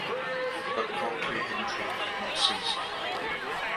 But courtly intrigue had not ceased.